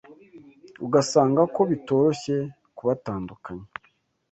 ugasanga ko bitoroshye kubatandukanya